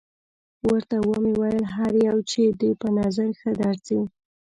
ورته ومې ویل: هر یو چې دې په نظر ښه درځي.